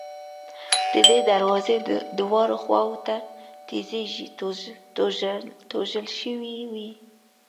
د دې دروازې دواړو خواوو ته تیږې توږل شوې وې.